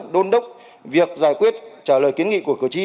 đôn đốc việc giải quyết trả lời kiến nghị của cử tri